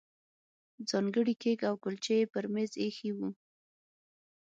ځانګړي کیک او کولچې یې پر مېز ایښي وو.